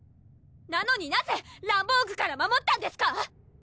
なのになぜランボーグから守ったんですか